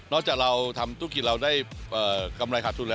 จากเราทำธุรกิจเราได้กำไรขาดทุนแล้ว